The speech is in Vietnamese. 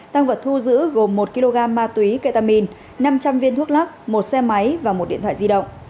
tăng vật thu giữ gồm một kg ma túy ketamine năm trăm linh viên thuốc lắc một xe máy và một điện thoại di động